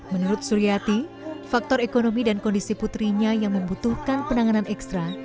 menurut suryati faktor ekonomi dan kondisi putrinya yang membutuhkan penanganan ekstra